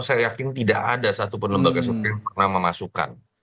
saya yakin tidak ada satu penelmbaga suku yang pernah memasukan